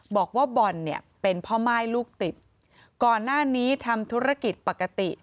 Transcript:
บอกว่าบอลเนี่ยเป็นพ่อม่ายลูกติดก่อนหน้านี้ทำธุรกิจปกติ